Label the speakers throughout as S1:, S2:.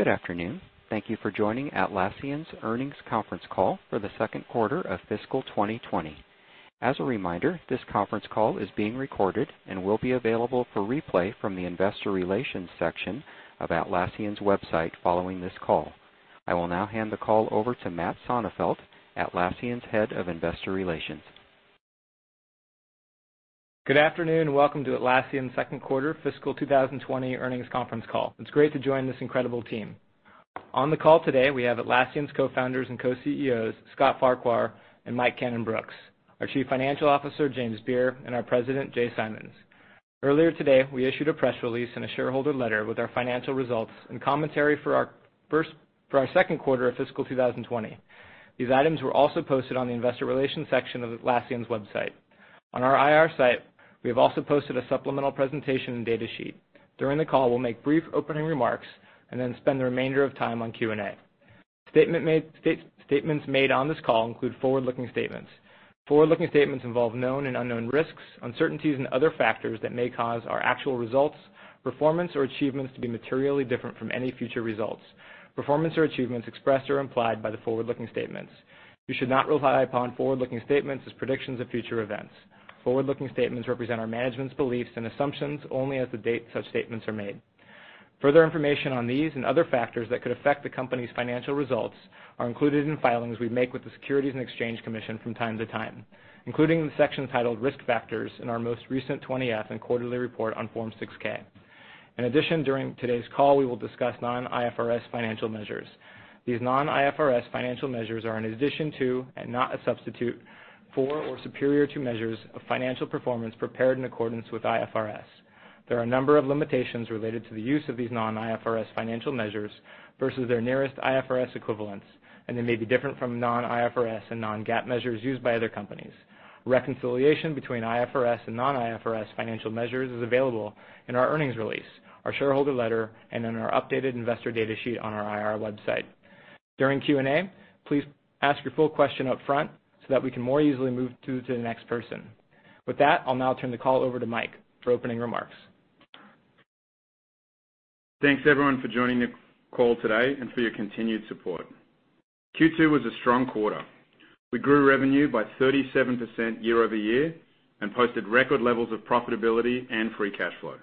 S1: Good afternoon. Thank you for joining Atlassian's earnings conference call for the second quarter of fiscal 2020. As a reminder, this conference call is being recorded and will be available for replay from the investor relations section of Atlassian's website following this call. I will now hand the call over to Matt Santeufel, Atlassian's Head of Investor Relations.
S2: Good afternoon. Welcome to Atlassian second quarter fiscal 2020 earnings conference call. It's great to join this incredible team. On the call today, we have Atlassian's Co-Founders and Co-CEOs, Scott Farquhar and Mike Cannon-Brookes, our Chief Financial Officer, James Beer, and our President, Jay Simons. Earlier today, we issued a press release and a shareholder letter with our financial results and commentary for our second quarter of fiscal 2020. These items were also posted on the investor relations section of Atlassian's website. On our IR site, we have also posted a supplemental presentation and data sheet. During the call, we'll make brief opening remarks and then spend the remainder of time on Q&A. Statements made on this call include forward-looking statements. Forward-looking statements involve known and unknown risks, uncertainties, and other factors that may cause our actual results, performance, or achievements to be materially different from any future results, performance, or achievements expressed or implied by the forward-looking statements. You should not rely upon forward-looking statements as predictions of future events. Forward-looking statements represent our management's beliefs and assumptions only as the date such statements are made. Further information on these and other factors that could affect the company's financial results are included in filings we make with the Securities and Exchange Commission from time to time, including the section titled Risk Factors in our most recent 20F and quarterly report on Form 6-K. In addition, during today's call, we will discuss non-IFRS financial measures. These non-IFRS financial measures are in addition to and not a substitute for or superior to measures of financial performance prepared in accordance with IFRS. There are a number of limitations related to the use of these non-IFRS financial measures versus their nearest IFRS equivalents, and they may be different from non-IFRS and non-GAAP measures used by other companies. Reconciliation between IFRS and non-IFRS financial measures is available in our earnings release, our shareholder letter, and in our updated investor data sheet on our IR website. During Q&A, please ask your full question up front so that we can more easily move to the next person. With that, I'll now turn the call over to Mike for opening remarks.
S3: Thanks, everyone, for joining the call today and for your continued support. Q2 was a strong quarter. We grew revenue by 37% year-over-year and posted record levels of profitability and free cash flow.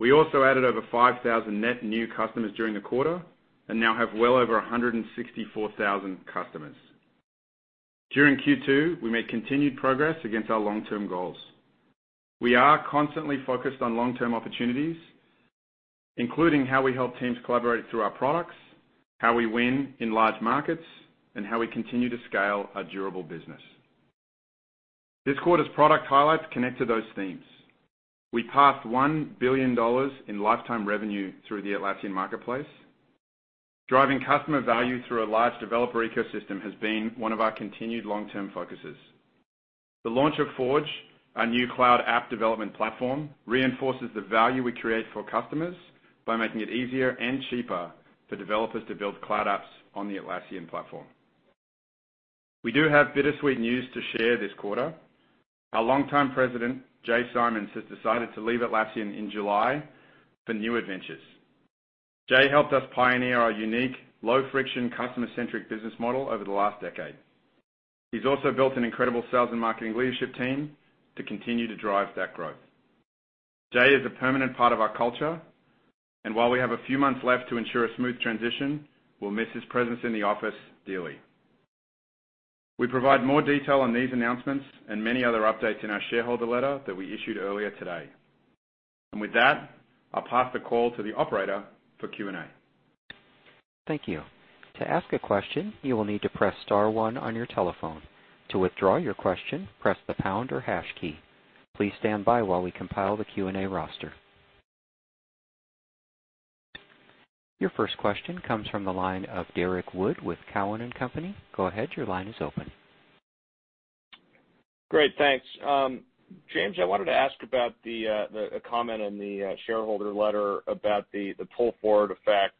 S3: We also added over 5,000 net new customers during the quarter and now have well over 164,000 customers. During Q2, we made continued progress against our long-term goals. We are constantly focused on long-term opportunities, including how we help teams collaborate through our products, how we win in large markets, and how we continue to scale our durable business. This quarter's product highlights connect to those themes. We passed $1 billion in lifetime revenue through the Atlassian Marketplace. Driving customer value through a large developer ecosystem has been one of our continued long-term focuses. The launch of Forge, our new cloud app development platform, reinforces the value we create for customers by making it easier and cheaper for developers to build cloud apps on the Atlassian platform. We do have bittersweet news to share this quarter. Our longtime president, Jay Simons, has decided to leave Atlassian in July for new adventures. Jay helped us pioneer our unique low-friction customer-centric business model over the last decade. He's also built an incredible sales and marketing leadership team to continue to drive that growth. Jay is a permanent part of our culture, and while we have a few months left to ensure a smooth transition, we'll miss his presence in the office dearly. We provide more detail on these announcements and many other updates in our shareholder letter that we issued earlier today. With that, I'll pass the call to the operator for Q&A.
S1: Thank you. To ask a question, you will need to press star one on your telephone. To withdraw your question, press the pound or hash key. Please stand by while we compile the Q&A roster. Your first question comes from the line of Derrick Wood with Cowen and Company. Go ahead, your line is open.
S4: Great. Thanks. James, I wanted to ask about the comment in the shareholder letter about the pull forward effect.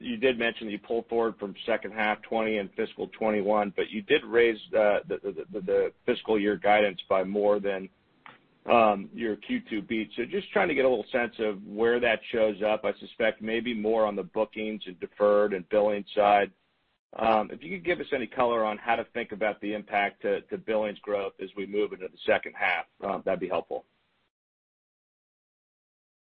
S4: You did mention that you pulled forward from second half 2020 and FY 2021, but you did raise the fiscal year guidance by more than your Q2 beats. Just trying to get a little sense of where that shows up. I suspect maybe more on the bookings and deferred and billing side. If you could give us any color on how to think about the impact to billings growth as we move into the second half, that'd be helpful.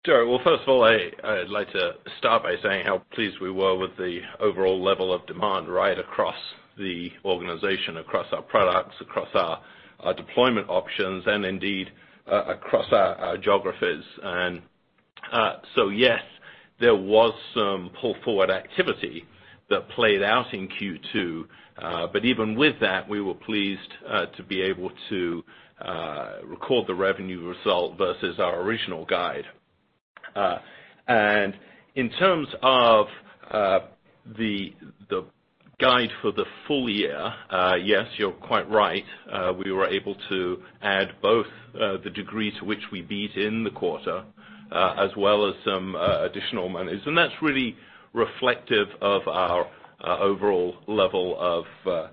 S5: Sure. Well, first of all, I'd like to start by saying how pleased we were with the overall level of demand right across the organization, across our products, across our deployment options, and indeed, across our geographies. Yes, there was some pull forward activity that played out in Q2. Even with that, we were pleased to be able to record the revenue result versus our original guide. In terms of the guide for the full year, yes, you're quite right. We were able to add both the degree to which we beat in the quarter, as well as some additional monies. That's really reflective of our overall level of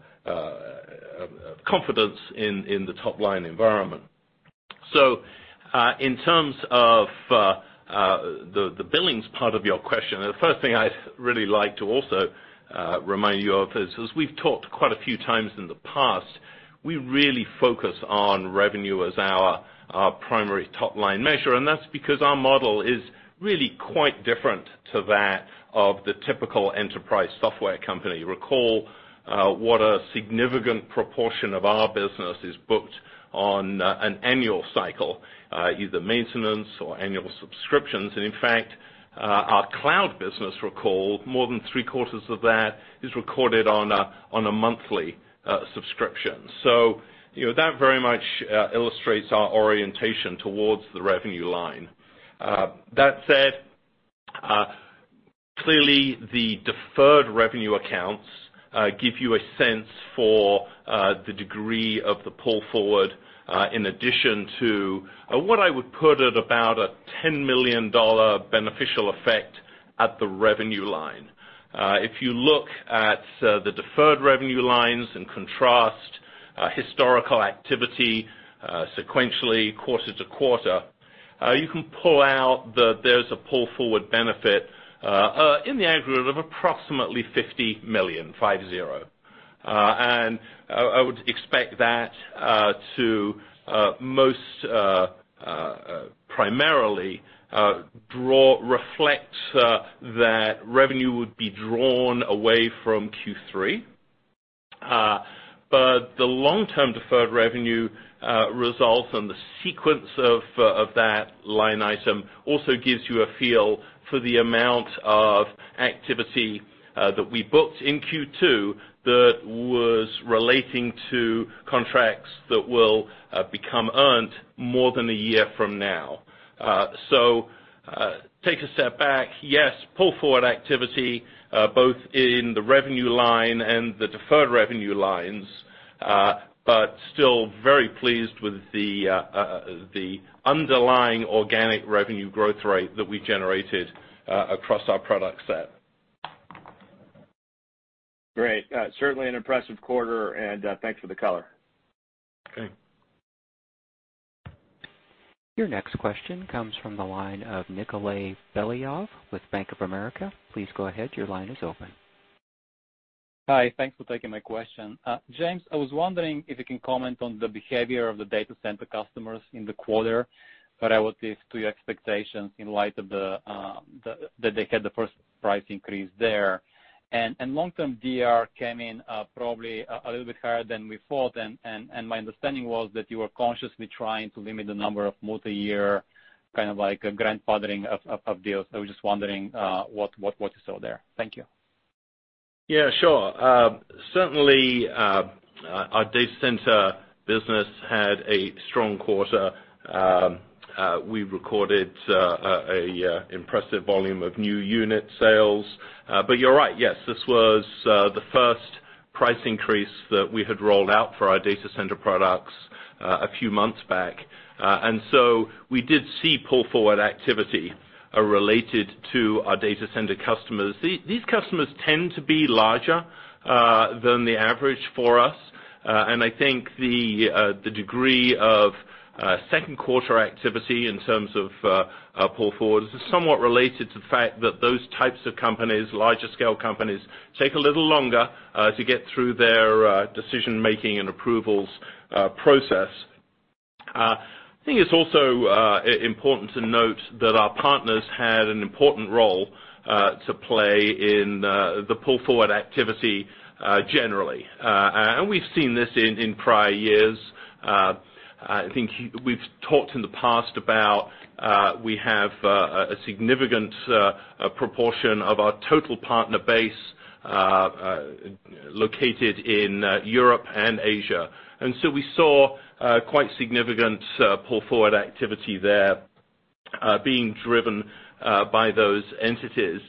S5: confidence in the top-line environment. In terms of the billings part of your question, the first thing I'd really like to also remind you of is, as we've talked quite a few times in the past, we really focus on revenue as our primary top-line measure, and that's because our model is really quite different to that of the typical enterprise software company. Recall what a significant proportion of our business is booked on an annual cycle, either maintenance or annual subscriptions. In fact, our cloud business, recall, more than three quarters of that is recorded on a monthly subscription. That very much illustrates our orientation towards the revenue line. That said, clearly the deferred revenue accounts give you a sense for the degree of the pull forward, in addition to what I would put at about a $10 million beneficial effect at the revenue line. If you look at the deferred revenue lines and contrast historical activity sequentially quarter to quarter, you can pull out that there's a pull-forward benefit in the aggregate of approximately $50 million. I would expect that to most primarily reflect that revenue would be drawn away from Q3. The long-term deferred revenue results and the sequence of that line item also gives you a feel for the amount of activity that we booked in Q2 that was relating to contracts that will become earned more than a year from now. Take a step back, yes, pull forward activity both in the revenue line and the deferred revenue lines, but still very pleased with the underlying organic revenue growth rate that we generated across our product set.
S4: Great. Certainly an impressive quarter, and thanks for the color.
S5: Okay.
S1: Your next question comes from the line of Nikolay Beliov with Bank of America. Please go ahead. Your line is open.
S6: Hi. Thanks for taking my question. James, I was wondering if you can comment on the behavior of the Data Center customers in the quarter relative to your expectations in light of that they had the first price increase there. Long-term DR came in probably a little bit higher than we thought, and my understanding was that you were consciously trying to limit the number of multi-year grandfathering of deals. I was just wondering what you saw there. Thank you.
S5: Yeah, sure. Certainly, our data center business had a strong quarter. We recorded an impressive volume of new unit sales. You're right, yes, this was the first price increase that we had rolled out for our data center products a few months back. We did see pull-forward activity related to our data center customers. These customers tend to be larger than the average for us. I think the degree of second quarter activity in terms of pull forward is somewhat related to the fact that those types of companies, larger scale companies, take a little longer to get through their decision making and approvals process. I think it's also important to note that our partners had an important role to play in the pull-forward activity generally. We've seen this in prior years. I think we've talked in the past about, we have a significant proportion of our total partner base located in Europe and Asia. We saw quite significant pull-forward activity there being driven by those entities.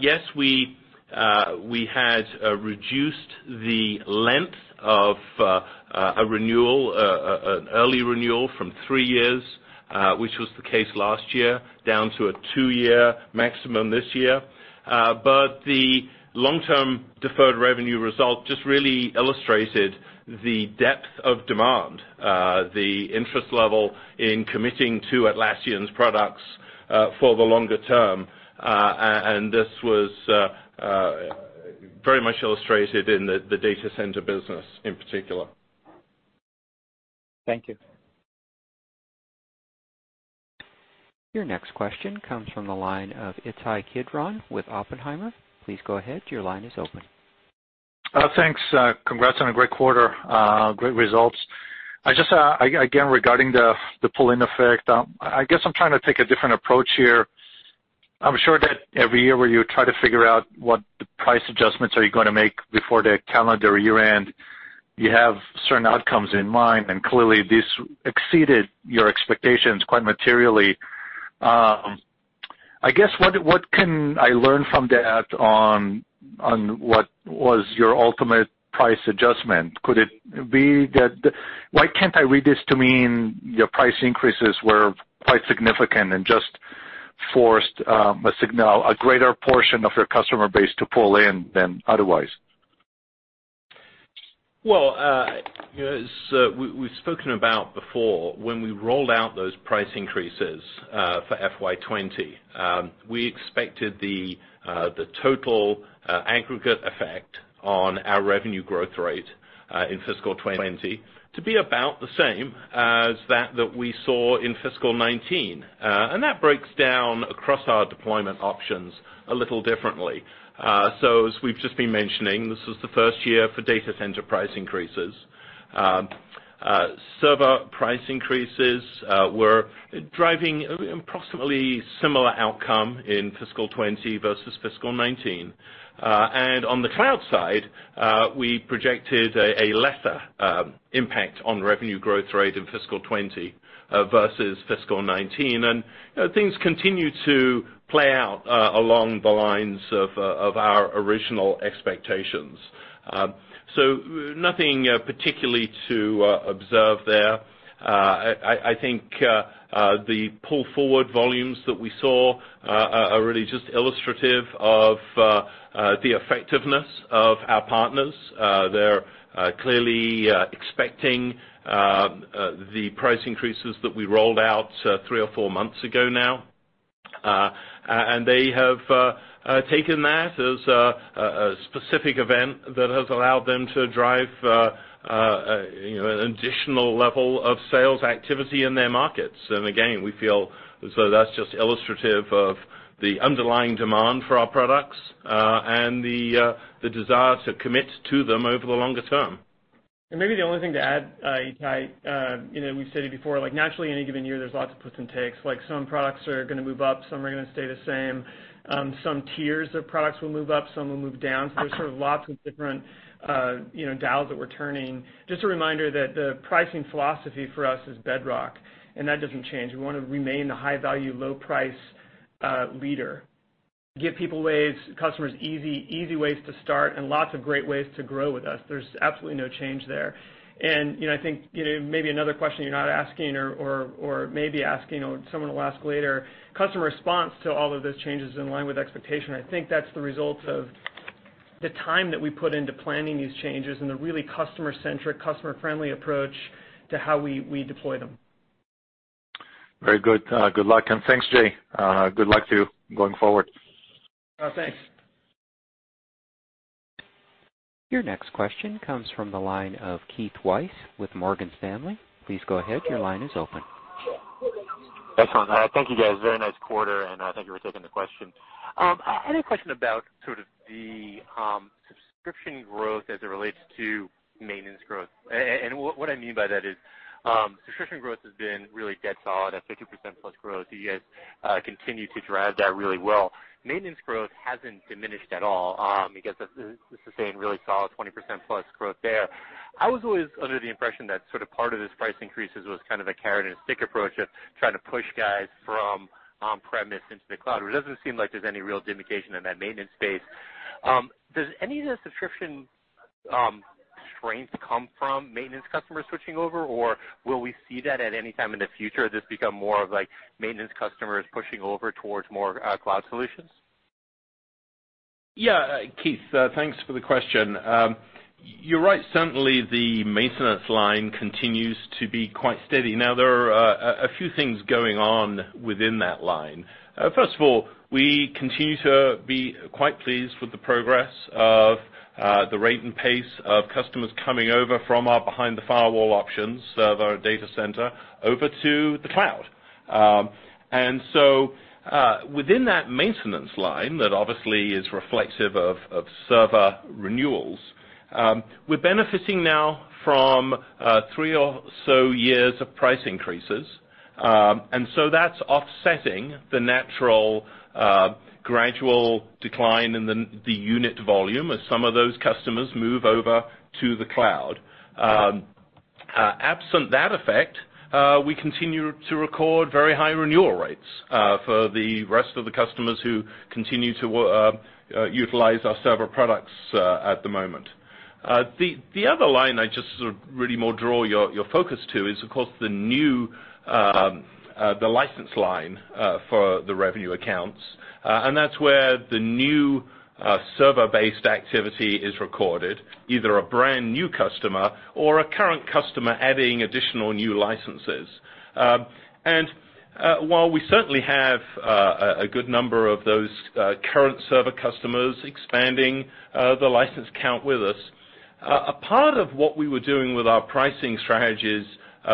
S5: Yes, we had reduced the length of an early renewal from three years, which was the case last year, down to a two-year maximum this year. The long-term deferred revenue result just really illustrated the depth of demand, the interest level in committing to Atlassian's products for the longer term, and this was very much illustrated in the data center business in particular.
S6: Thank you.
S1: Your next question comes from the line of Ittai Kidron with Oppenheimer. Please go ahead. Your line is open.
S7: Thanks. Congrats on a great quarter, great results. Regarding the pull-in effect, I guess I'm trying to take a different approach here. I'm sure that every year where you try to figure out what price adjustments are you going to make before the calendar year end, you have certain outcomes in mind, and clearly this exceeded your expectations quite materially. I guess, what can I learn from that on what was your ultimate price adjustment? Why can't I read this to mean your price increases were quite significant and just forced a greater portion of your customer base to pull in than otherwise?
S5: Well, as we've spoken about before, when we rolled out those price increases for FY 2020, we expected the total aggregate effect on our revenue growth rate in fiscal 2020 to be about the same as that that we saw in fiscal 2019. That breaks down across our deployment options a little differently. As we've just been mentioning, this was the first year for Data Center price increases. Server price increases were driving approximately similar outcome in fiscal 2020 versus fiscal 2019. On the Cloud side, we projected a lesser impact on revenue growth rate in fiscal 2020 versus fiscal 2019. Things continue to play out along the lines of our original expectations. Nothing particularly to observe there. I think the pull-forward volumes that we saw are really just illustrative of the effectiveness of our partners. They're clearly expecting the price increases that we rolled out three or four months ago now. They have taken that as a specific event that has allowed them to drive an additional level of sales activity in their markets. Again, we feel as though that's just illustrative of the underlying demand for our products, and the desire to commit to them over the longer term.
S8: Maybe the only thing to add, Ittai, we've said it before, naturally, any given year, there's lots of puts and takes. Some products are going to move up, some are going to stay the same. Some tiers of products will move up, some will move down. There's sort of lots of different dials that we're turning. Just a reminder that the pricing philosophy for us is bedrock, and that doesn't change. We want to remain the high value, low price leader. Give customers easy ways to start and lots of great ways to grow with us. There's absolutely no change there. I think maybe another question you're not asking or maybe asking or someone will ask later, customer response to all of those changes in line with expectation. I think that's the result of the time that we put into planning these changes and the really customer-centric, customer-friendly approach to how we deploy them.
S7: Very good. Good luck, and thanks, Jay. Good luck to you going forward.
S8: Oh, thanks.
S1: Your next question comes from the line of Keith Weiss with Morgan Stanley. Please go ahead. Your line is open.
S9: Excellent. Thank you, guys. Very nice quarter, and thank you for taking the question. I had a question about sort of the subscription growth as it relates to maintenance growth. What I mean by that is subscription growth has been really dead solid at 50%+ growth. You guys continue to drive that really well. Maintenance growth hasn't diminished at all because it's the same really solid 20%+ growth there. I was always under the impression that sort of part of this price increases was kind of a carrot-and-stick approach of trying to push guys from on-premise into the cloud. It doesn't seem like there's any real diminution in that maintenance space. Does any of the subscription strength come from maintenance customers switching over, or will we see that at any time in the future? This become more of maintenance customers pushing over towards more cloud solutions?
S5: Keith, thanks for the question. You're right. Certainly, the maintenance line continues to be quite steady. There are a few things going on within that line. First of all, we continue to be quite pleased with the progress of the rate and pace of customers coming over from our behind the firewall options Server Data Center over to the Cloud. Within that maintenance line, that obviously is reflective of Server renewals, we're benefiting now from three or so years of price increases. That's offsetting the natural gradual decline in the unit volume as some of those customers move over to the Cloud. Absent that effect, we continue to record very high renewal rates for the rest of the customers who continue to utilize our Server products at the moment. The other line I just sort of really more draw your focus to is, of course, the new license line for the revenue accounts. That's where the new server-based activity is recorded, either a brand new customer or a current customer adding additional new licenses. While we certainly have a good number of those current server customers expanding the license count with us, a part of what we were doing with our pricing strategies,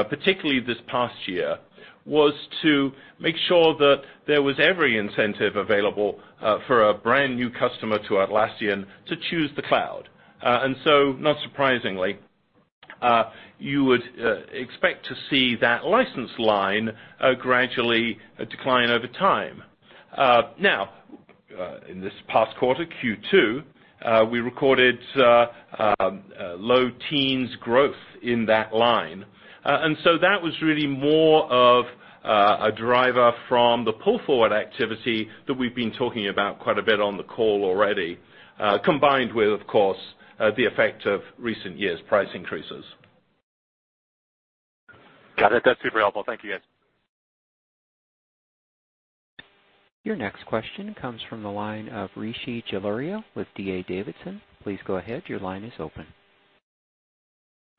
S5: particularly this past year, was to make sure that there was every incentive available for a brand new customer to Atlassian to choose the cloud. Not surprisingly, you would expect to see that license line gradually decline over time. In this past quarter, Q2, we recorded low teens growth in that line. That was really more of a driver from the pull-forward activity that we've been talking about quite a bit on the call already, combined with, of course, the effect of recent years' price increases.
S9: Got it. That's super helpful. Thank you, guys.
S1: Your next question comes from the line of Rishi Jaluria with D.A. Davidson. Please go ahead. Your line is open.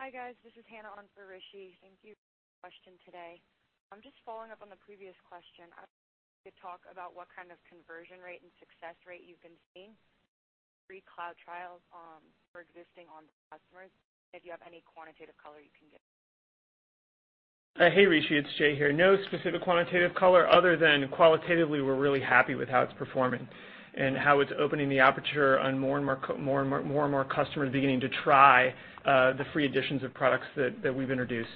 S10: Hi, guys. This is Hannah on for Rishi. Thank you for the question today. I'm just following up on the previous question. I was wondering if you could talk about what kind of conversion rate and success rate you've been seeing with the free Cloud trials for existing on-prem customers, if you have any quantitative color you can give?
S8: Hey, Rishi, it's Jay here. No specific quantitative color other than qualitatively we're really happy with how it's performing and how it's opening the aperture on more and more customers beginning to try the free editions of products that we've introduced.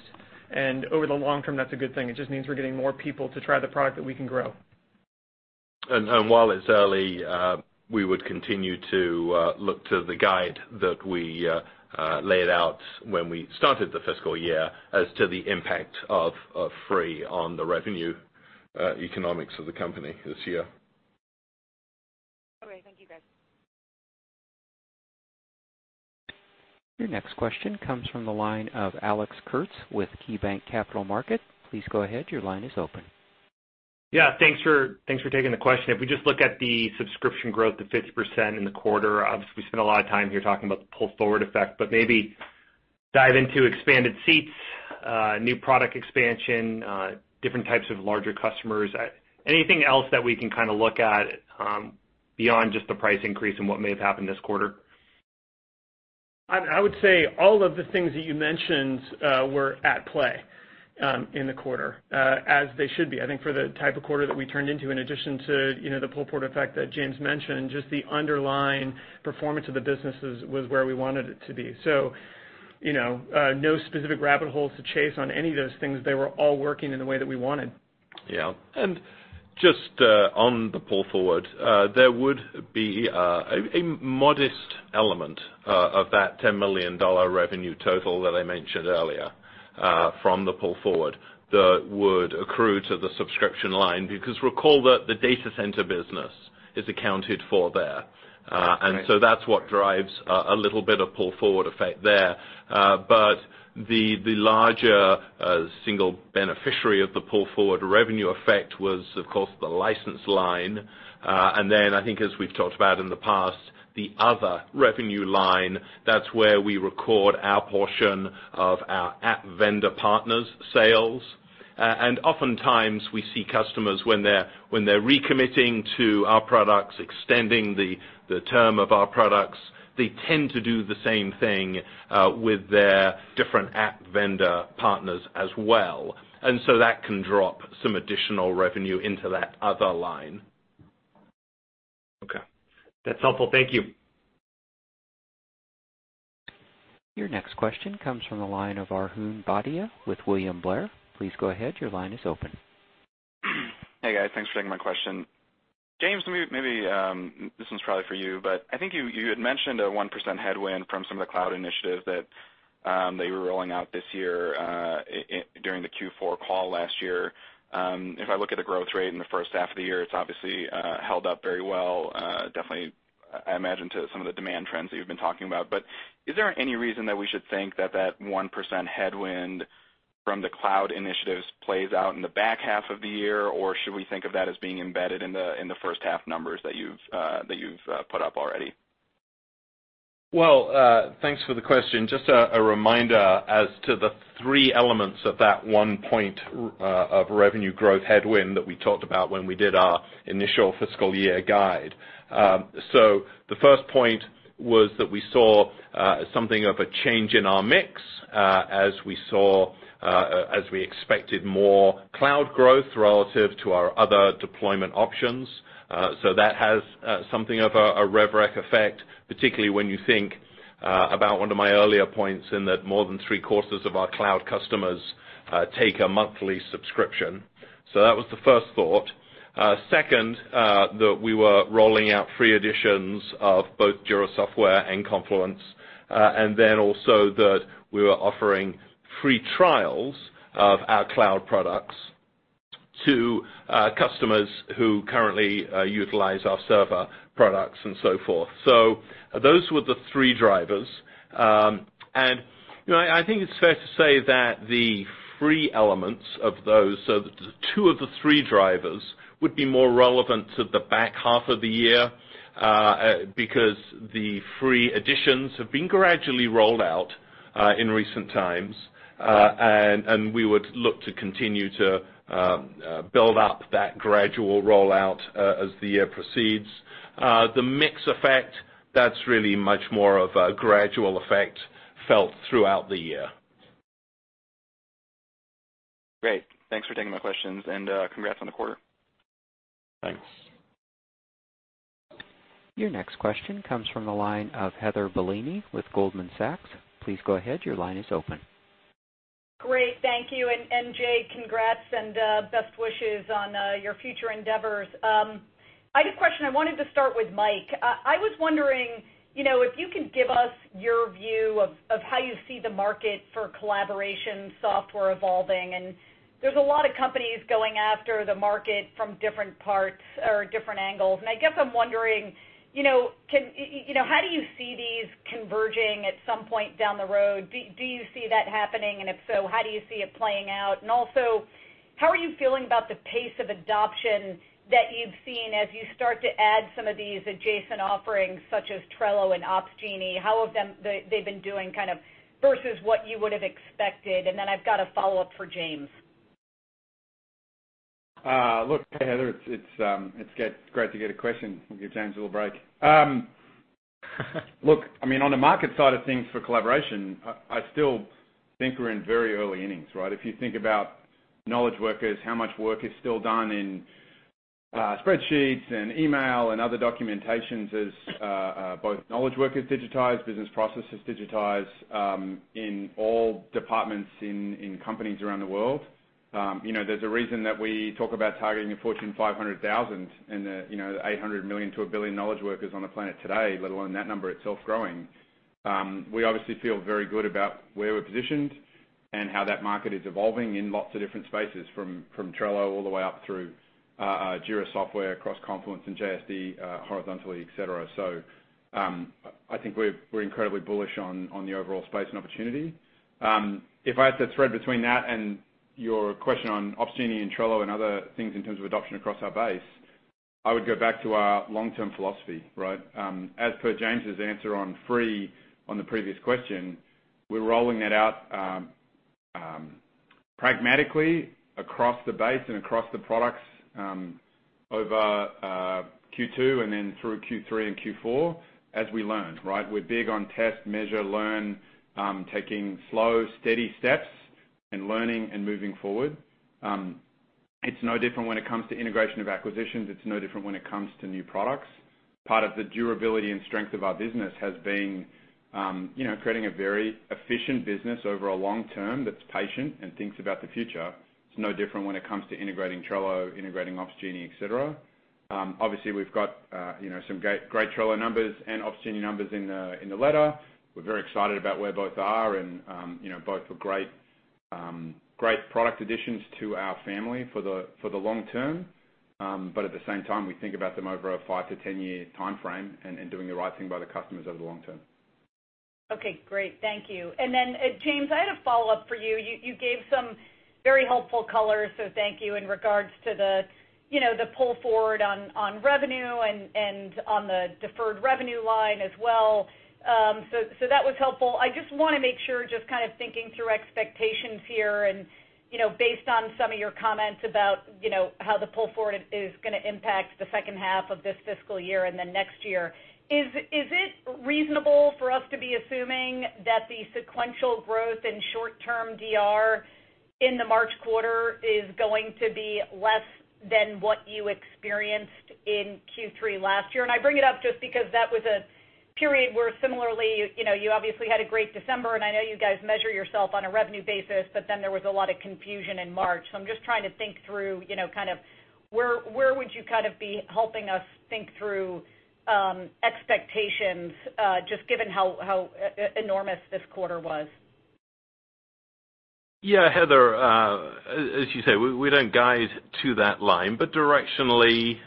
S8: Over the long term, that's a good thing. It just means we're getting more people to try the product that we can grow.
S5: While it's early, we would continue to look to the guide that we laid out when we started the fiscal year as to the impact of free on the revenue economics of the company this year.
S10: Okay. Thank you, guys.
S1: Your next question comes from the line of Alex Kurtz with KeyBanc Capital Markets. Please go ahead. Your line is open.
S11: Yeah. Thanks for taking the question. If we just look at the subscription growth of 50% in the quarter, obviously, we spend a lot of time here talking about the pull-forward effect, maybe dive into expanded seats, new product expansion, different types of larger customers. Anything else that we can look at beyond just the price increase and what may have happened this quarter?
S8: I would say all of the things that you mentioned were at play in the quarter, as they should be. I think for the type of quarter that we turned into, in addition to the pull-forward effect that James mentioned, just the underlying performance of the businesses was where we wanted it to be. No specific rabbit holes to chase on any of those things. They were all working in the way that we wanted.
S5: Yeah. Just on the pull forward, there would be a modest element of that $10 million revenue total that I mentioned earlier from the pull forward that would accrue to the subscription line, because recall that the data center business is accounted for there.
S11: Right.
S5: That's what drives a little bit of pull-forward effect there. The larger single beneficiary of the pull-forward revenue effect was, of course, the license line. I think as we've talked about in the past, the other revenue line, that's where we record our portion of our app vendor partners' sales. Oftentimes we see customers when they're recommitting to our products, extending the term of our products, they tend to do the same thing with their different app vendor partners as well. That can drop some additional revenue into that other line.
S11: Okay. That's helpful. Thank you.
S1: Your next question comes from the line of Arjun Bhatia with William Blair. Please go ahead. Your line is open.
S12: Hey, guys. Thanks for taking my question. James, maybe this one's probably for you, but I think you had mentioned a 1% headwind from some of the cloud initiatives that you were rolling out this year during the Q4 call last year. If I look at the growth rate in the first half of the year, it's obviously held up very well. Definitely, I imagine to some of the demand trends that you've been talking about. Is there any reason that we should think that that 1% headwind from the cloud initiatives plays out in the back half of the year? Or should we think of that as being embedded in the first half numbers that you've put up already?
S5: Thanks for the question. Just a reminder as to the one point of revenue growth headwind that we talked about when we did our initial fiscal year guide. The first point was that we saw something of a change in our mix as we expected more cloud growth relative to our other deployment options. That has something of a rev rec effect, particularly when you think about one of my earlier points in that more than three-quarters of our cloud customers take a monthly subscription. That was the first thought. Second, that we were rolling out free editions of both Jira Software and Confluence, and then also that we were offering free trials of our cloud products to customers who currently utilize our server products and so forth. Those were the three drivers. I think it's fair to say that the free elements of those, so two of the three drivers would be more relevant to the back half of the year, because the free editions have been gradually rolled out in recent times. We would look to continue to build up that gradual rollout as the year proceeds. The mix effect, that's really much more of a gradual effect felt throughout the year.
S12: Great. Thanks for taking my questions, and congrats on the quarter.
S5: Thanks.
S1: Your next question comes from the line of Heather Bellini with Goldman Sachs. Please go ahead. Your line is open.
S13: Great. Thank you. Jay, congrats and best wishes on your future endeavors. I had a question I wanted to start with Mike. I was wondering if you can give us your view of how you see the market for collaboration software evolving, and there's a lot of companies going after the market from different parts or different angles. I guess I'm wondering, how do you see these converging at some point down the road? Do you see that happening, and if so, how do you see it playing out? How are you feeling about the pace of adoption that you've seen as you start to add some of these adjacent offerings, such as Trello and Opsgenie? How have they been doing versus what you would have expected? Then I've got a follow-up for James.
S3: Look, hey, Heather, it's great to get a question. We'll give James a little break. Look, on the market side of things for collaboration, I still think we're in very early innings, right? If you think about knowledge workers, how much work is still done in spreadsheets and email and other documentations as both knowledge workers digitize, business processes digitize, in all departments in companies around the world. There's a reason that we talk about targeting the Fortune 500,000 and the 800 million to 1 billion knowledge workers on the planet today, let alone that number itself growing. We obviously feel very good about where we're positioned and how that market is evolving in lots of different spaces, from Trello all the way up through Jira Software, across Confluence and JSD horizontally, et cetera. I think we're incredibly bullish on the overall space and opportunity. If I had to thread between that and your question on Opsgenie and Trello and other things in terms of adoption across our base, I would go back to our long-term philosophy, right? As per James' answer on free on the previous question, we're rolling that out pragmatically across the base and across the products over Q2 and then through Q3 and Q4 as we learn, right? We're big on test, measure, learn, taking slow, steady steps and learning and moving forward. It's no different when it comes to integration of acquisitions. It's no different when it comes to new products. Part of the durability and strength of our business has been creating a very efficient business over a long term that's patient and thinks about the future. It's no different when it comes to integrating Trello, integrating Opsgenie, et cetera. Obviously, we've got some great Trello numbers and Opsgenie numbers in the letter. We're very excited about where both are, and both were great product additions to our family for the long term. At the same time, we think about them over a five- to 10-year timeframe and doing the right thing by the customers over the long term.
S13: Okay, great. Thank you. James, I had a follow-up for you. You gave some very helpful color, so thank you, in regards to the pull forward on revenue and on the deferred revenue line as well. That was helpful. I just want to make sure, just kind of thinking through expectations here and based on some of your comments about how the pull forward is going to impact the second half of this fiscal year and then next year, is it reasonable for us to be assuming that the sequential growth and short-term DR in the March quarter is going to be less than what you experienced in Q3 last year? I bring it up just because that was a period where similarly, you obviously had a great December, and I know you guys measure yourself on a revenue basis, but then there was a lot of confusion in March. I'm just trying to think through where would you be helping us think through expectations, just given how enormous this quarter was.
S5: Heather, as you say, we don't guide to that line, but directionally,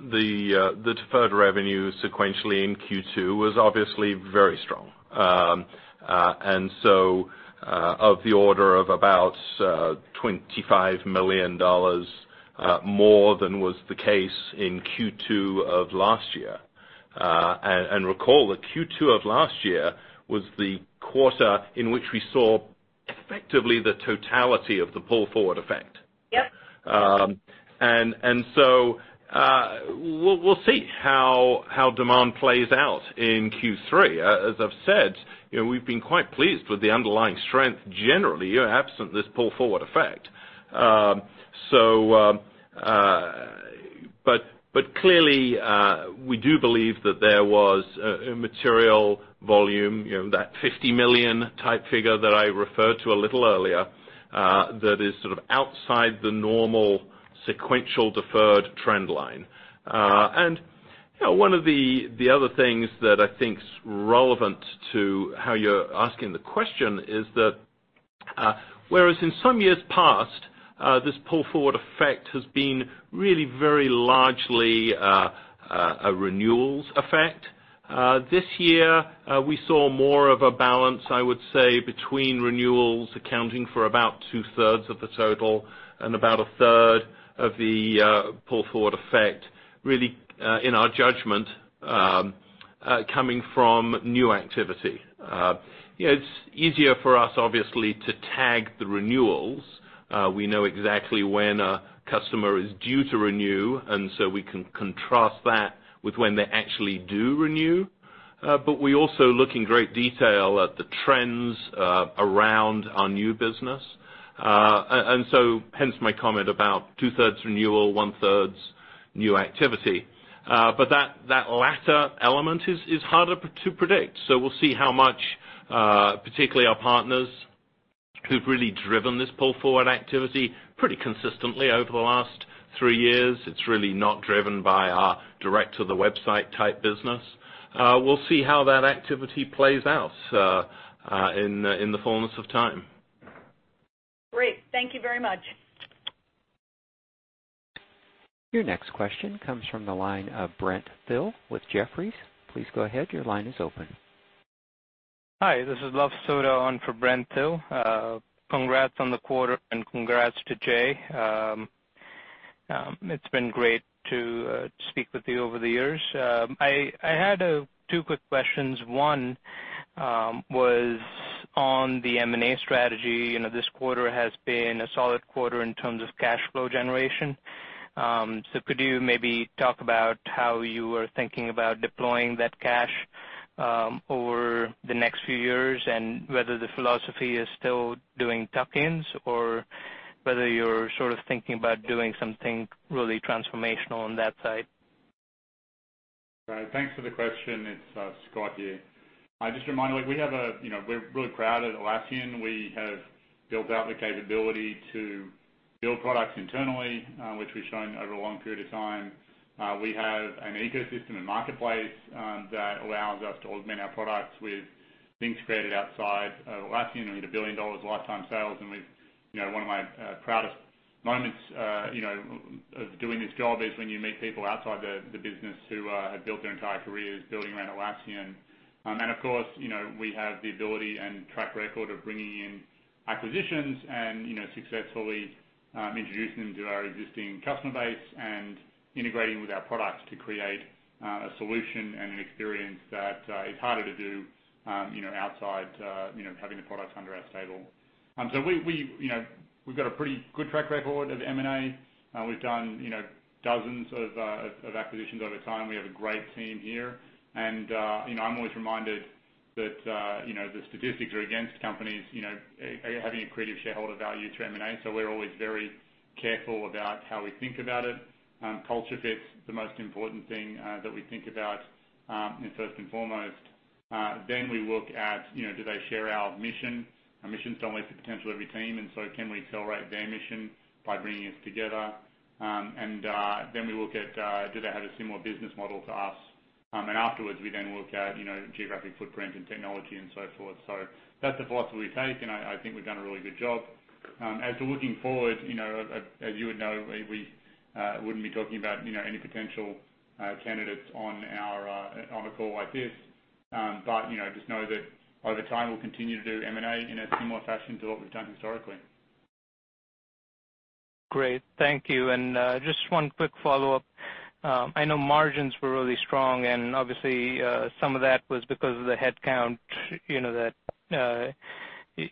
S5: the deferred revenue sequentially in Q2 was obviously very strong. Of the order of about $25 million more than was the case in Q2 of last year. Recall that Q2 of last year was the quarter in which we saw effectively the totality of the pull forward effect.
S13: Yep.
S5: We'll see how demand plays out in Q3. As I've said, we've been quite pleased with the underlying strength generally, absent this pull forward effect. Clearly, we do believe that there was a material volume, that 50 million type figure that I referred to a little earlier, that is sort of outside the normal sequential deferred trend line. One of the other things that I think is relevant to how you're asking the question is that, whereas in some years past, this pull forward effect has been really very largely a renewals effect. This year, we saw more of a balance, I would say, between renewals accounting for about two-thirds of the total and about a third of the pull forward effect, really, in our judgment, coming from new activity. It's easier for us, obviously, to tag the renewals. We know exactly when a customer is due to renew, we can contrast that with when they actually do renew. We also look in great detail at the trends around our new business. Hence my comment about two-thirds renewal, one-third new activity. That latter element is harder to predict. We'll see how much, particularly our partners, who've really driven this pull forward activity pretty consistently over the last three years. It's really not driven by our direct-to-the-website type business. We'll see how that activity plays out in the fullness of time.
S13: Great. Thank you very much.
S1: Your next question comes from the line of Brent Thill with Jefferies. Please go ahead. Your line is open.
S14: Hi, this is Luv Sodha on for Brent Thill. Congrats on the quarter, and congrats to Jay. It's been great to speak with you over the years. I had two quick questions. One was on the M&A strategy. This quarter has been a solid quarter in terms of cash flow generation. Could you maybe talk about how you are thinking about deploying that cash over the next few years, and whether the philosophy is still doing tuck-ins or whether you're sort of thinking about doing something really transformational on that side?
S15: Right. Thanks for the question. It's Scott here. Just a reminder, we're really proud at Atlassian. We have built out the capability to build products internally, which we've shown over a long period of time. We have an ecosystem and Marketplace that allows us to augment our products with things created outside Atlassian. We had $1 billion lifetime sales, and one of my proudest moments of doing this job is when you meet people outside the business who have built their entire careers building around Atlassian. Of course, we have the ability and track record of bringing in acquisitions and successfully introducing them to our existing customer base and integrating with our products to create a solution and an experience that is harder to do outside, having the products under our stable. We've got a pretty good track record of M&A. We've done dozens of acquisitions over time. We have a great team here. I'm always reminded that the statistics are against companies having accretive shareholder value to M&A, so we're always very careful about how we think about it. Culture fit's the most important thing that we think about, and first and foremost. We look at, do they share our mission? Our mission's to unlock the potential of every team, and so can we accelerate their mission by bringing us together? We look at, do they have a similar business model to us? Afterwards, we then look at geographic footprint and technology and so forth. That's the philosophy we take, and I think we've done a really good job. As to looking forward, as you would know, we wouldn't be talking about any potential candidates on a call like this. Just know that over time, we'll continue to do M&A in a similar fashion to what we've done historically.
S14: Great. Thank you. Just one quick follow-up. I know margins were really strong, and obviously, some of that was because of the head count that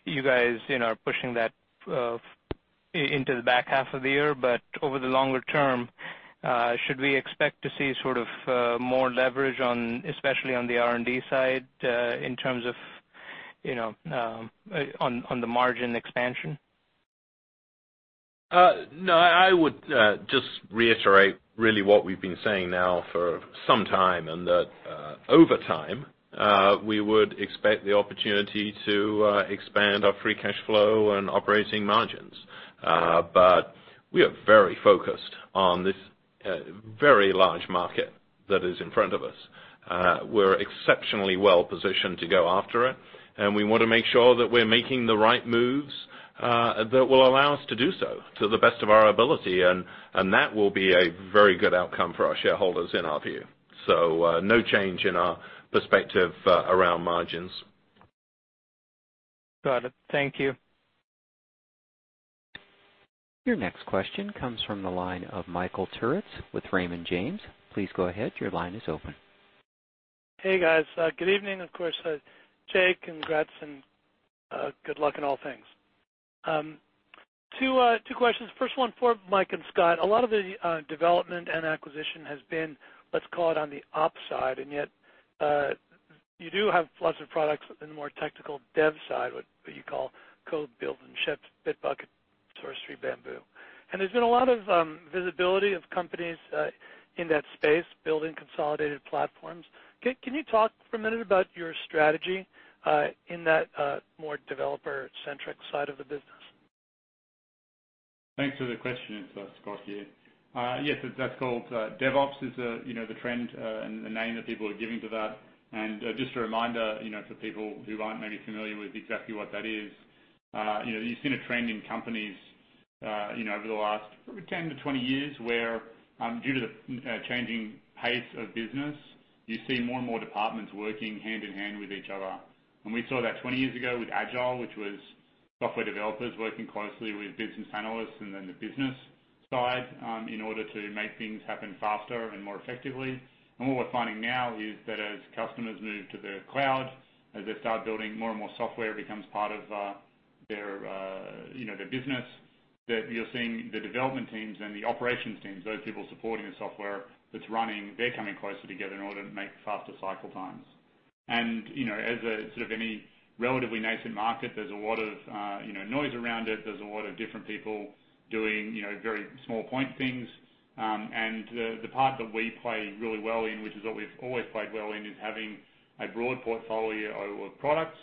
S14: you guys are pushing that into the back half of the year. Over the longer term, should we expect to see sort of more leverage, especially on the R&D side, in terms of on the margin expansion?
S5: No, I would just reiterate really what we've been saying now for some time, and that over time, we would expect the opportunity to expand our free cash flow and operating margins. We are very focused on this very large market that is in front of us. We're exceptionally well positioned to go after it, and we want to make sure that we're making the right moves that will allow us to do so to the best of our ability. That will be a very good outcome for our shareholders in our view. No change in our perspective around margins.
S14: Got it. Thank you.
S1: Your next question comes from the line of Michael Turrin with Raymond James. Please go ahead. Your line is open.
S16: Hey, guys. Good evening. Of course, Jay, congrats and good luck in all things. Two questions. First one for Mike and Scott. A lot of the development and acquisition has been, let's call it on the op side, and yet, you do have lots of products in the more technical dev side, what you call code build and ships, Bitbucket, Sourcetree, Bamboo. There's been a lot of visibility of companies in that space building consolidated platforms. Can you talk for a minute about your strategy in that more developer-centric side of the business?
S15: Thanks for the question. It's Scott here. Yes, that's called DevOps, is the trend and the name that people are giving to that. Just a reminder, for people who aren't maybe familiar with exactly what that is. You've seen a trend in companies over the last probably 10-20 years, where due to the changing pace of business, you see more and more departments working hand in hand with each other. We saw that 20 years ago with Agile, which was software developers working closely with business analysts and then the business side in order to make things happen faster and more effectively. What we're finding now is that as customers move to the cloud, as they start building more and more software, it becomes part of their business. That you're seeing the development teams and the operations teams, those people supporting the software that's running, they're coming closer together in order to make faster cycle times. As a sort of any relatively nascent market, there's a lot of noise around it. There's a lot of different people doing very small point things. The part that we play really well in, which is what we've always played well in, is having a broad portfolio of products.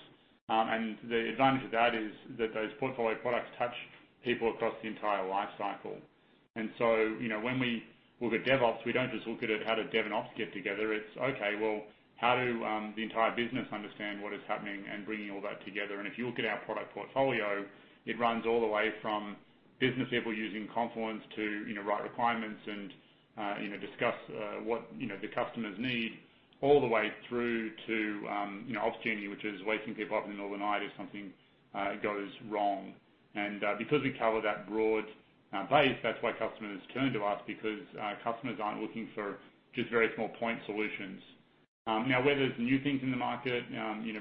S15: The advantage of that is that those portfolio products touch people across the entire life cycle. So, when we look at DevOps, we don't just look at it, how do Dev and Ops get together? It's okay, well, how do the entire business understand what is happening and bringing all that together? If you look at our product portfolio, it runs all the way from business people using Confluence to write requirements and discuss what the customers need, all the way through to Opsgenie, which is waking people up in the middle of the night if something goes wrong. Because we cover that broad base, that's why customers turn to us, because customers aren't looking for just very small point solutions. Now, where there's new things in the market,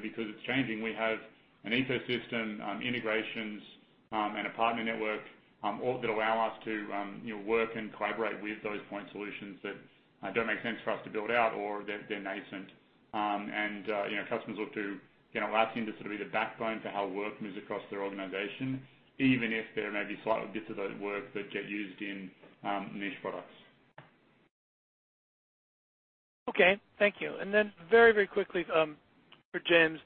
S15: because it's changing, we have an ecosystem, integrations, and a partner network, all that allow us to work and collaborate with those point solutions that don't make sense for us to build out or they're nascent. Customers look to Atlassian to sort of be the backbone to how work moves across their organization, even if there are maybe slight bits of that work that get used in niche products.
S16: Okay, thank you. Very, very quickly, for James.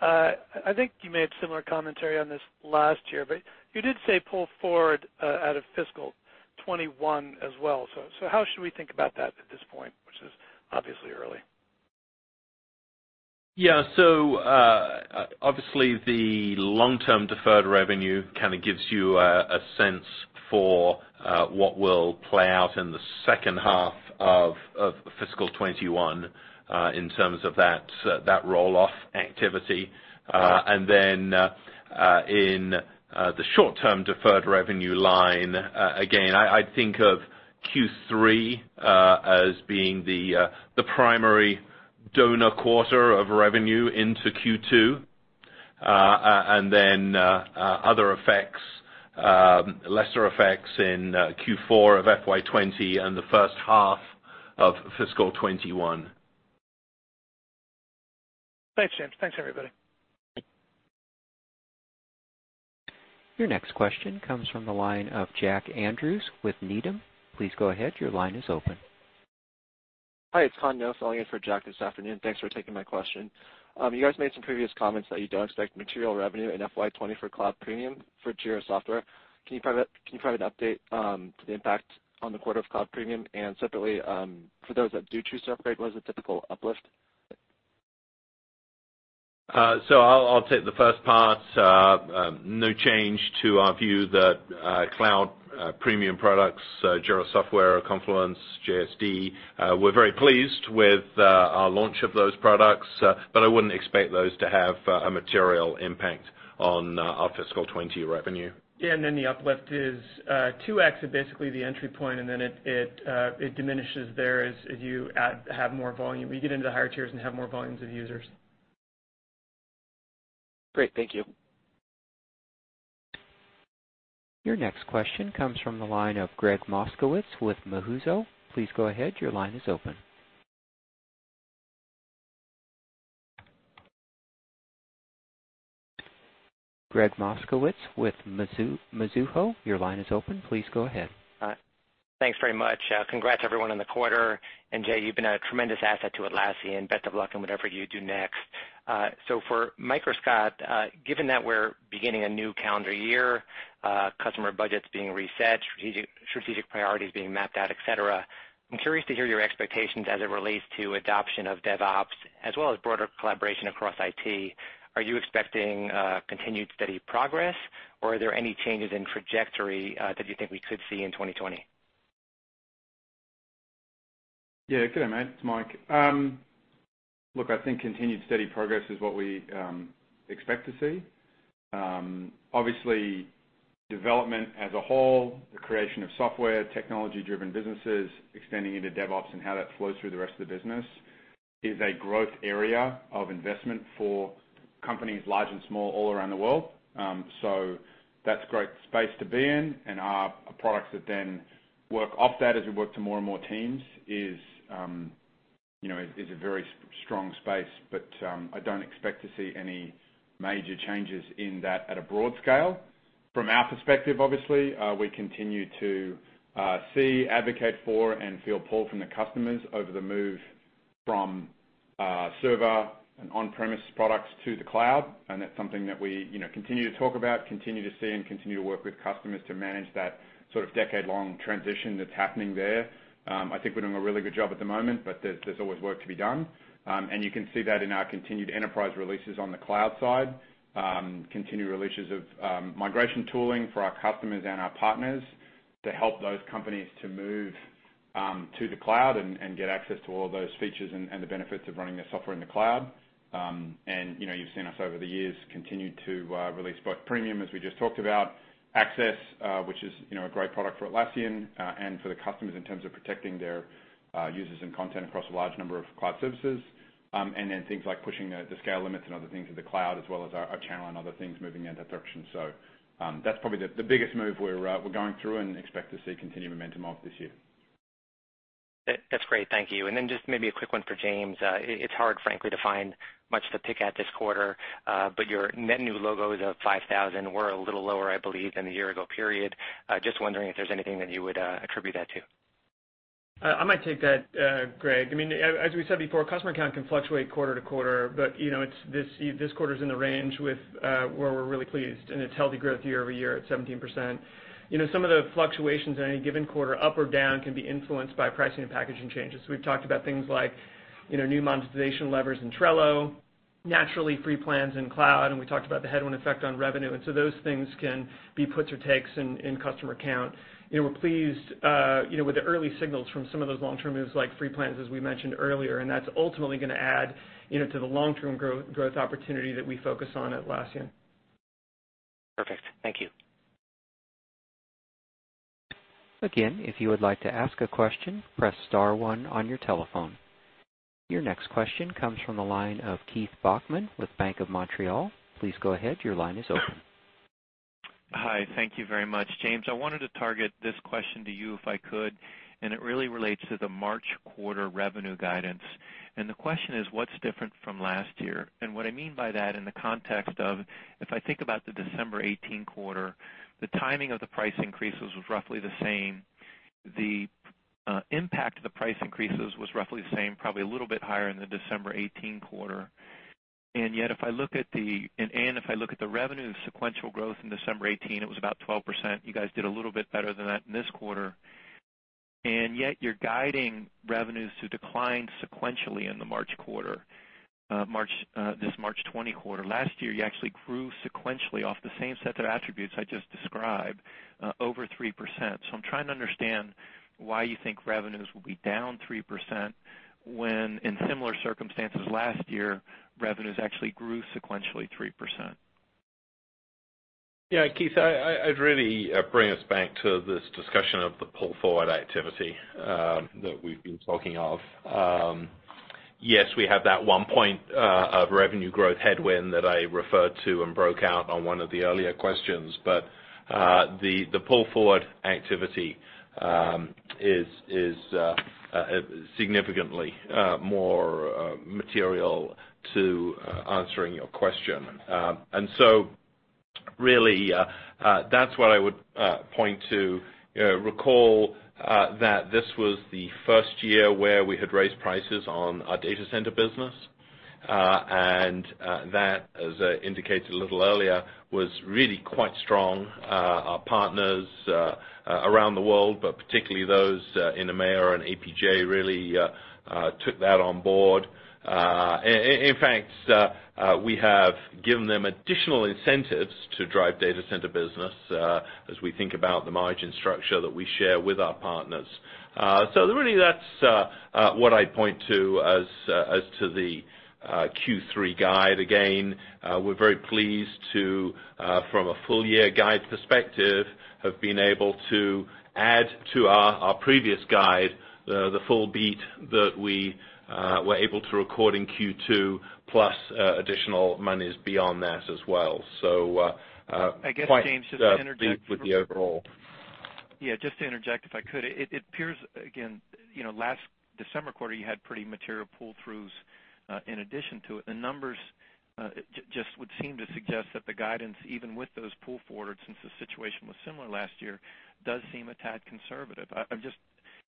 S16: I think you made similar commentary on this last year, but you did say pull forward out of fiscal '2021 as well. How should we think about that at this point, which is obviously early?
S5: Obviously the long-term deferred revenue kind of gives you a sense for what will play out in the second half of fiscal 2021, in terms of that roll-off activity. In the short term deferred revenue line, again, I'd think of Q3 as being the primary donor quarter of revenue into Q2. Other effects, lesser effects in Q4 of FY 2020 and the first half of fiscal 2021.
S16: Thanks, James. Thanks, everybody.
S1: Your next question comes from the line of Jack Andrews with Needham. Please go ahead. Your line is open.
S17: Hi, it's Khanh Ngo filling in for Jack this afternoon. Thanks for taking my question. You guys made some previous comments that you don't expect material revenue in FY 2020 for Cloud Premium for Jira Software. Can you provide an update to the impact on the quarter of Cloud Premium? Separately, for those that do choose to upgrade, what is a typical uplift?
S5: I'll take the first part. No change to our view that Cloud Premium products, Jira Software, Confluence, JSD. We're very pleased with our launch of those products. I wouldn't expect those to have a material impact on our fiscal 2020 revenue.
S15: Yeah, then the uplift is 2X of basically the entry point, and then it diminishes there as you get into the higher tiers and have more volumes of users.
S17: Great. Thank you.
S1: Your next question comes from the line of Gregg Moskowitz with Mizuho. Please go ahead. Your line is open. Gregg Moskowitz with Mizuho, your line is open. Please go ahead.
S18: Thanks very much. Congrats everyone on the quarter. Jay, you've been a tremendous asset to Atlassian. Best of luck in whatever you do next. For Mike or Scott, given that we're beginning a new calendar year, customer budgets being reset, strategic priorities being mapped out, et cetera. I'm curious to hear your expectations as it relates to adoption of DevOps as well as broader collaboration across IT. Are you expecting continued steady progress, or are there any changes in trajectory that you think we could see in 2020?
S3: Yeah. Good day, mate. It's Mike. Look, I think continued steady progress is what we expect to see. Obviously, development as a whole, the creation of software, technology-driven businesses extending into DevOps and how that flows through the rest of the business is a growth area of investment for companies large and small all around the world. That's great space to be in and our products that then work off that as we work to more and more teams is a very strong space. I don't expect to see any major changes in that at a broad scale. From our perspective, obviously, we continue to see, advocate for and feel pull from the customers over the move from server and on-premise products to the cloud. That's something that we continue to talk about, continue to see, and continue to work with customers to manage that sort of decade-long transition that's happening there. I think we're doing a really good job at the moment, but there's always work to be done. You can see that in our continued enterprise releases on the cloud side. Continued releases of migration tooling for our customers and our partners to help those companies to move to the cloud and get access to all those features and the benefits of running their software in the cloud. You've seen us over the years continue to release both Premium, as we just talked about, Access, which is a great product for Atlassian, and for the customers in terms of protecting their users and content across a large number of cloud services. Things like pushing the scale limits and other things in the cloud, as well as our channel and other things moving in that direction. That's probably the biggest move we're going through and expect to see continued momentum of this year.
S18: That's great. Thank you. Just maybe a quick one for James. It's hard, frankly, to find much to pick at this quarter. Your net new logos of 5,000 were a little lower, I believe, than the year-ago period. Just wondering if there's anything that you would attribute that to.
S8: I might take that, Gregg. As we said before, customer count can fluctuate quarter to quarter, but this quarter's in the range where we're really pleased, and it's healthy growth year-over-year at 17%. Some of the fluctuations in any given quarter, up or down, can be influenced by pricing and packaging changes. We've talked about things like new monetization levers in Trello, naturally free plans in cloud, and we talked about the headwind effect on revenue. Those things can be puts or takes in customer count. We're pleased with the early signals from some of those long-term moves like free plans, as we mentioned earlier. That's ultimately going to add to the long-term growth opportunity that we focus on at Atlassian.
S18: Perfect. Thank you.
S1: Again, if you would like to ask a question, press *1 on your telephone. Your next question comes from the line of Keith Bachman with Bank of Montreal. Please go ahead. Your line is open.
S19: Hi. Thank you very much. James, I wanted to target this question to you if I could, and it really relates to the March quarter revenue guidance. The question is what's different from last year? What I mean by that in the context of, if I think about the December 2018 quarter, the timing of the price increases was roughly the same. The impact of the price increases was roughly the same, probably a little bit higher in the December 2018 quarter. If I look at the revenue sequential growth in December 2018, it was about 12%. You guys did a little bit better than that in this quarter. Yet you're guiding revenues to decline sequentially in the March quarter, this March 2020 quarter. Last year, you actually grew sequentially off the same set of attributes I just described, over 3%. I'm trying to understand why you think revenues will be down 3% when in similar circumstances last year, revenues actually grew sequentially 3%?
S5: Yeah, Keith, I'd really bring us back to this discussion of the pull-forward activity that we've been talking of. Yes, we have that one point of revenue growth headwind that I referred to and broke out on one of the earlier questions, but the pull-forward activity is significantly more material to answering your question. Really, that's what I would point to. Recall that this was the first year where we had raised prices on our data center business. That, as I indicated a little earlier, was really quite strong. Our partners around the world, but particularly those in Americas and APJ, really took that on board. In fact, we have given them additional incentives to drive data center business as we think about the margin structure that we share with our partners. Really that's what I'd point to as to the Q3 guide. We're very pleased to, from a full year guide perspective, have been able to add to our previous guide the full beat that we were able to record in Q2, plus additional monies beyond that as well.
S19: I guess, James, just to interject-
S5: With the overall.
S19: Yeah, just to interject if I could. It appears, again, last December quarter, you had pretty material pull-throughs in addition to it. The numbers just would seem to suggest that the guidance, even with those pull forwards, since the situation was similar last year, does seem a tad conservative.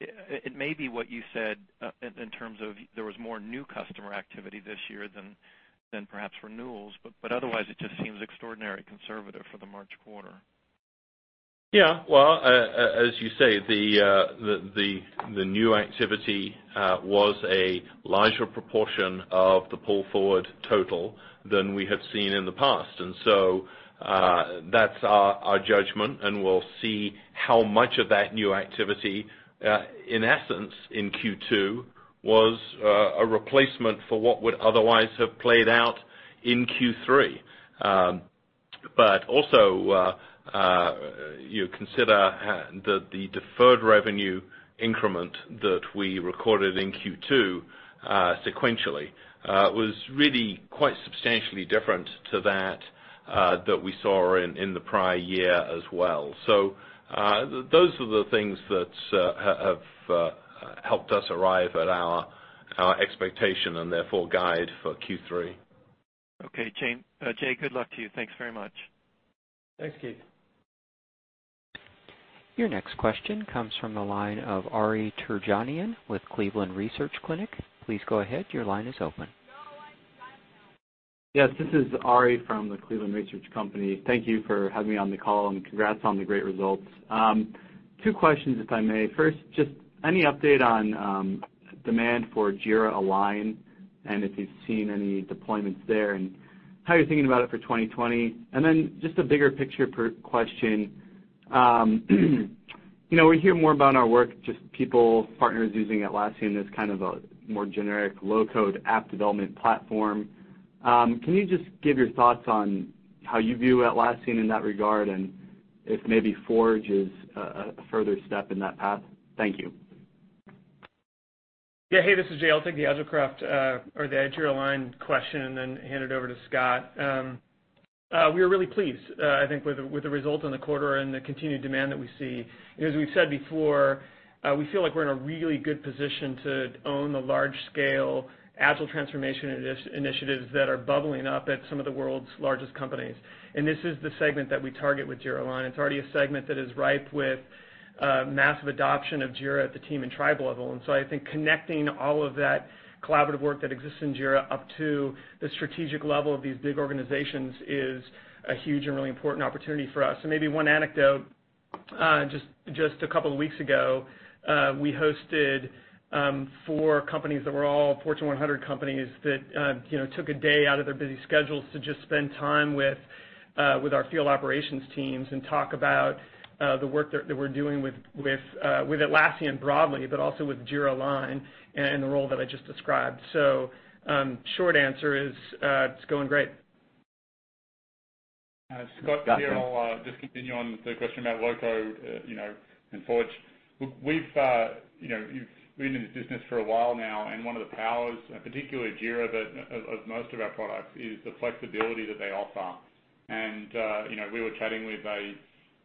S19: It may be what you said in terms of there was more new customer activity this year than perhaps renewals, but otherwise it just seems extraordinarily conservative for the March quarter.
S5: Yeah. Well, as you say, the new activity was a larger proportion of the pull-forward total than we have seen in the past. That's our judgment, and we'll see how much of that new activity, in essence, in Q2 was a replacement for what would otherwise have played out in Q3. Also, you consider the deferred revenue increment that we recorded in Q2 sequentially was really quite substantially different to that we saw in the prior year as well. Those are the things that have helped us arrive at our expectation and therefore guide for Q3.
S19: Okay, Jay, good luck to you. Thanks very much.
S8: Thanks, Keith.
S1: Your next question comes from the line of Ari Terjanian with Cleveland Research Company. Please go ahead. Your line is open.
S20: Yes, this is Ari from the Cleveland Research Company. Thank you for having me on the call, and congrats on the great results. Two questions, if I may. First, just any update on demand for Jira Align, and if you've seen any deployments there, and how you're thinking about it for 2020? Just a bigger picture question. We hear more about our work, just people, partners using Atlassian as kind of a more generic low-code app development platform. Can you just give your thoughts on how you view Atlassian in that regard, and if maybe Forge is a further step in that path? Thank you.
S8: Hey, this is Jay. I'll take the Jira Align or the Jira Align question and then hand it over to Scott. We are really pleased, I think, with the result in the quarter and the continued demand that we see. As we've said before, we feel like we're in a really good position to own the large-scale Agile transformation initiatives that are bubbling up at some of the world's largest companies. This is the segment that we target with Jira Align. It's already a segment that is ripe with massive adoption of Jira at the team and tribe level. I think connecting all of that collaborative work that exists in Jira up to the strategic level of these big organizations is a huge and really important opportunity for us. Maybe one anecdote, just a couple of weeks ago, we hosted four companies that were all Fortune 100 companies that took a day out of their busy schedules to just spend time with our field operations teams and talk about the work that we're doing with Atlassian broadly, but also with Jira Align and in the role that I just described. Short answer is, it's going great.
S15: Scott here. I'll just continue on with the question about low-code and Forge. We've been in this business for a while now. One of the powers, particularly Jira, but of most of our products, is the flexibility that they offer. We were chatting with a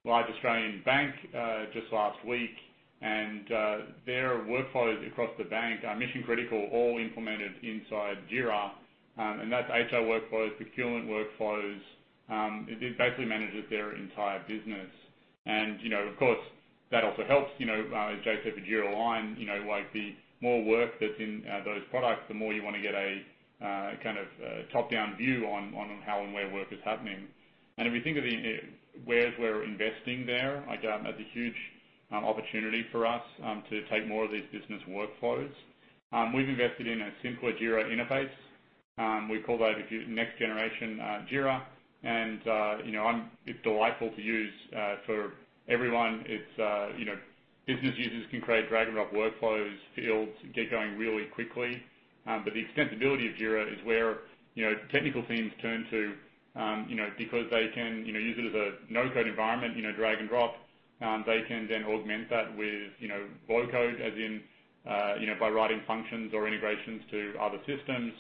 S15: large Australian bank just last week, and their workflows across the bank are mission-critical, all implemented inside Jira. That's HR workflows, procurement workflows. It basically manages their entire business. Of course, that also helps, as Jay said, with Jira Align, like the more work that's in those products, the more you want to get a kind of top-down view on how and where work is happening. If you think of where we're investing there, like that's a huge opportunity for us to take more of these business workflows. We've invested in a simpler Jira interface. We call that next generation Jira, and it's delightful to use for everyone. Its business users can create drag-and-drop workflows, fields, get going really quickly. The extensibility of Jira is where technical teams turn to because they can use it as a no-code environment, drag and drop. They can then augment that with low-code, as in by writing functions or integrations to other systems.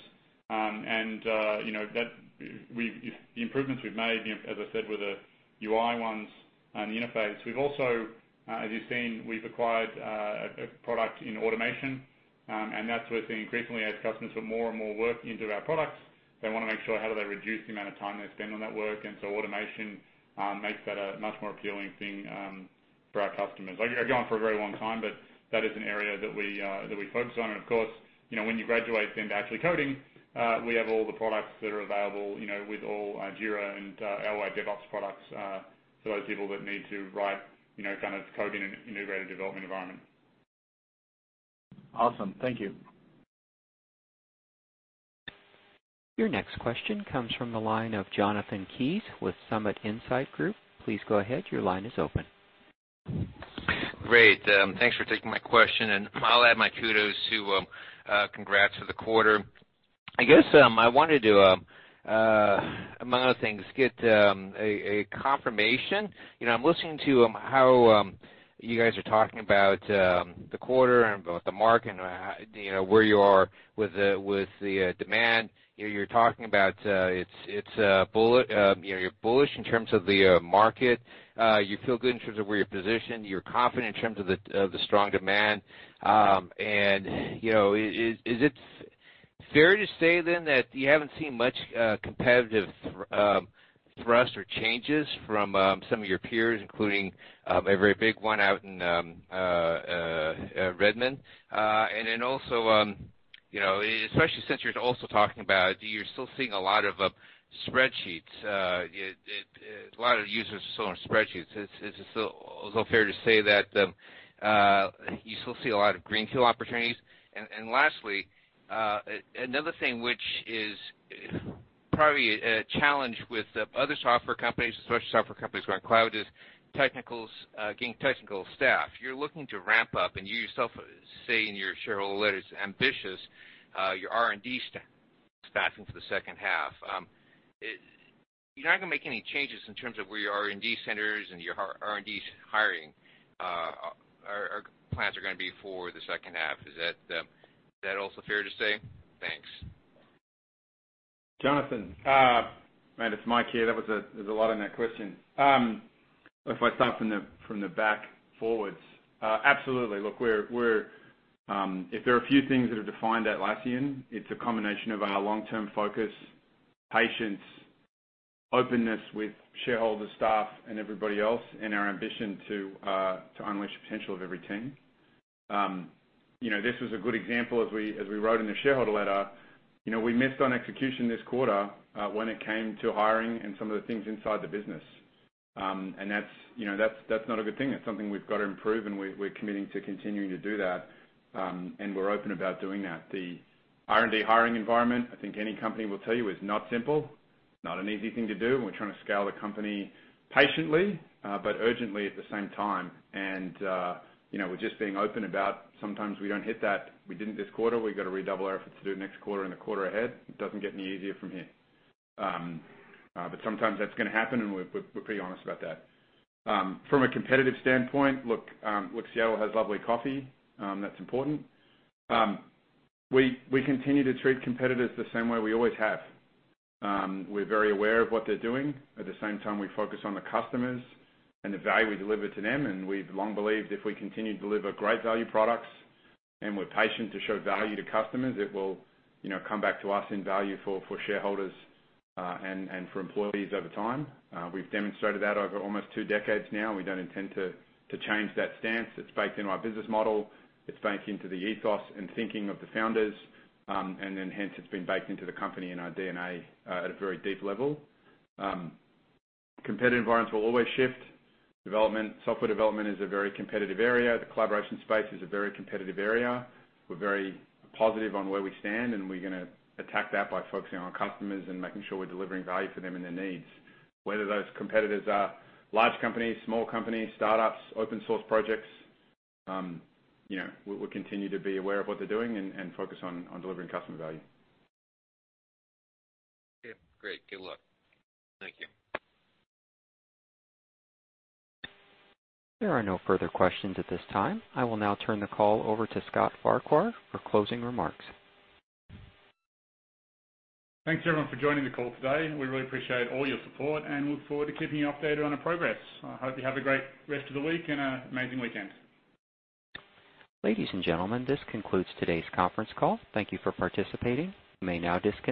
S15: The improvements we've made, as I said, with the UI ones and the interface. We've also, as you've seen, we've acquired a product in automation, and that's where we're seeing increasingly as customers put more and more work into our products, they want to make sure how do they reduce the amount of time they spend on that work. Automation makes that a much more appealing thing for our customers. I could go on for a very long time. That is an area that we focus on. Of course, when you graduate then to actually coding, we have all the products that are available with all Jira and our DevOps products for those people that need to write kind of code in an integrated development environment.
S20: Awesome. Thank you.
S1: Your next question comes from the line of Jonathan Kees with Summit Insights Group. Please go ahead. Your line is open.
S21: Great. Thanks for taking my question. I'll add my kudos to congrats for the quarter. I guess I wanted to, among other things, get a confirmation. I'm listening to how you guys are talking about the quarter and about the market and where you are with the demand. You're talking about you're bullish in terms of the market. You feel good in terms of where you're positioned. You're confident in terms of the strong demand. Is it fair to say then that you haven't seen much competitive thrust or changes from some of your peers, including a very big one out in Redmond? Especially since you're also talking about you're still seeing a lot of spreadsheets, a lot of users are still on spreadsheets. Is it still fair to say that you still see a lot of greenfield opportunities? Lastly, another thing which is probably a challenge with other software companies, especially software companies who are on cloud, is getting technical staff. You're looking to ramp up, and you yourself say in your shareholder letter it's ambitious, your R&D staffing for the second half. You're not going to make any changes in terms of where your R&D centers and your R&D hiring plans are going to be for the second half. Is that also fair to say? Thanks.
S3: Jonathan. Man, it's Mike here. There was a lot in that question. If I start from the back forwards, absolutely. Look, if there are a few things that have defined Atlassian, it's a combination of our long-term focus, patience, openness with shareholders, staff, and everybody else, and our ambition to unleash the potential of every team. This was a good example as we wrote in the shareholder letter. We missed on execution this quarter when it came to hiring and some of the things inside the business, and that's not a good thing. That's something we've got to improve, and we're committing to continuing to do that, and we're open about doing that. The R&D hiring environment, I think any company will tell you, is not simple, not an easy thing to do, and we're trying to scale the company patiently, but urgently at the same time. We're just being open about sometimes we don't hit that. We didn't this quarter. We've got to redouble our efforts to do it next quarter and the quarter ahead. It doesn't get any easier from here. Sometimes that's going to happen, and we're pretty honest about that. From a competitive standpoint, look, Seattle has lovely coffee. That's important. We continue to treat competitors the same way we always have. We're very aware of what they're doing. At the same time, we focus on the customers and the value we deliver to them, and we've long believed if we continue to deliver great value products and we're patient to show value to customers, it will come back to us in value for shareholders and for employees over time. We've demonstrated that over almost two decades now, and we don't intend to change that stance. It's baked into our business model. It's baked into the ethos and thinking of the founders, and then hence, it's been baked into the company and our DNA at a very deep level. Competitive environments will always shift. Software development is a very competitive area. The collaboration space is a very competitive area. We're very positive on where we stand, and we're going to attack that by focusing on customers and making sure we're delivering value for them and their needs. Whether those competitors are large companies, small companies, startups, open source projects, we'll continue to be aware of what they're doing and focus on delivering customer value.
S21: Okay, great. Good luck. Thank you.
S1: There are no further questions at this time. I will now turn the call over to Scott Farquhar for closing remarks.
S15: Thanks, everyone, for joining the call today. We really appreciate all your support and look forward to keeping you updated on our progress. I hope you have a great rest of the week and an amazing weekend.
S1: Ladies and gentlemen, this concludes today's conference call. Thank you for participating. You may now disconnect.